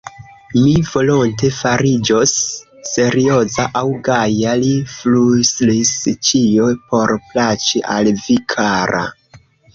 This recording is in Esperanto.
Mi volonte fariĝos serioza aŭ gaja, li flustris ; ĉio por plaĉi al vi, kara.